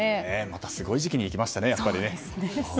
またすごい時期に行きましたね。